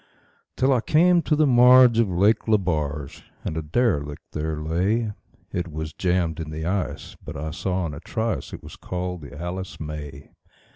Till I came to the marge of Lake Lebarge, and a derelict there lay; It was jammed in the ice, but I saw in a trice it was called the "Alice May".